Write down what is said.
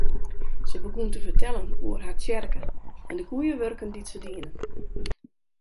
Se begûn te fertellen oer har tsjerke en de goede wurken dy't se dienen.